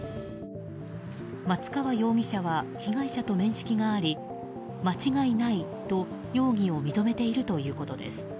松川容疑者は被害者と面識があり間違いないと容疑を認めているということです。